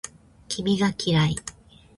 君が嫌い